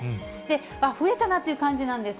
あっ、増えたなという感じなんです。